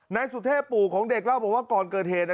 นายสุทธิบปู่ของเด็กลาบอกว่าก่อนเกิดเทน